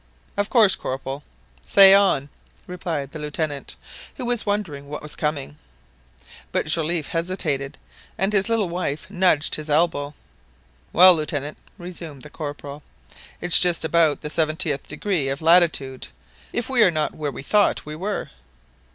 "Of course, Corporal; say on," replied the Lieutenant, who wondered what was coming. But Joliffe hesitated, and his little wife nudged his elbow. "Well, Lieutenant," resumed the Corporal, "it's just about the seventieth degree of latitude—if we are not where we thought we were."